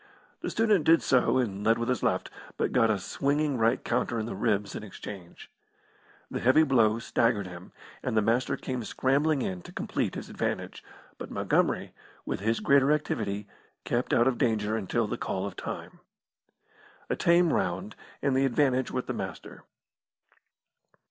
The student did so and led with his left, but got a swinging right counter in the ribs in exchange. The heavy blow staggered him, and the Master came scrambling in to complete his advantage; but Montgomery, with his greater activity, kept out of danger until the call of "time." A tame round, and the advantage with the Master.